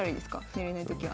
寝れないときは。